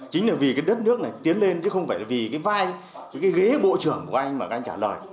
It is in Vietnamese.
chính là vì cái đất nước này tiến lên chứ không phải vì cái vai cái ghế bộ trưởng của anh mà các anh trả lời